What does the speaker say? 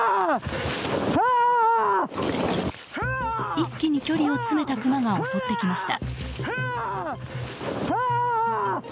一気に距離を詰めたクマが襲ってきました。